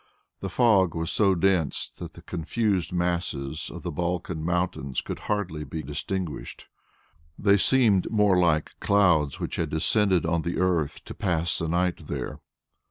The fog was so dense that the confused masses of the Balkan mountains could hardly be distinguished. They seemed more like clouds which had descended on the earth to pass the night there.